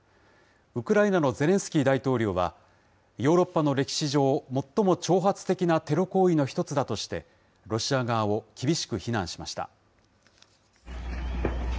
ウクライナのゼレンスキー大統領は、ヨーロッパの歴史上、最も挑発的なテロ行為の一つだとして、ロシア側を厳しく非難しました。